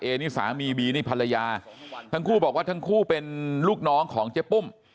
นี่สามีบีนี่ภรรยาทั้งคู่บอกว่าทั้งคู่เป็นลูกน้องของเจ๊ปุ้ม